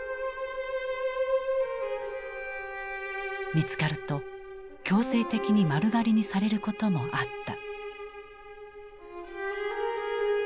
見つかると強制的に丸刈りにされることもあった。